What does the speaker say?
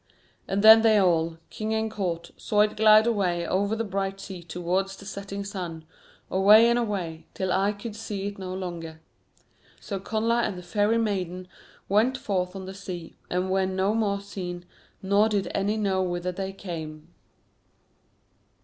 And then they all, king and court, saw it glide away over the bright sea towards the setting sun, away and away, till eye could see it no longer. So Connla and the Fairy Maiden went forth on the sea, and were no more seen, nor did any know whither they came.